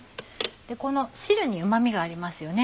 この汁にうま味がありますよね。